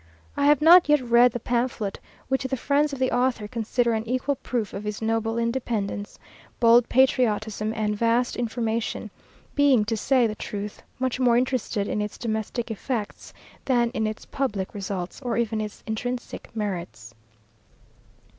I have not yet read the pamphlet which the friends of the author consider an equal proof of his noble independence, bold patriotism, and vast information; being, to say the truth, much more interested in its domestic effects than in its public results, or even its intrinsic merits.